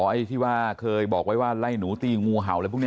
ไอ้ที่ว่าเคยบอกไว้ว่าไล่หนูตีงูเห่าอะไรพวกนี้